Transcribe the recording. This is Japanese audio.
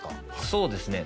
そうですね